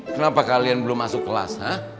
kenapa kalian belum masuk kelas hah